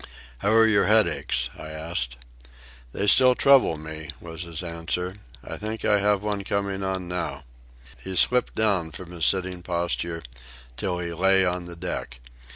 "How are your headaches?" I asked. "They still trouble me," was his answer. "I think I have one coming on now." He slipped down from his sitting posture till he lay on the deck.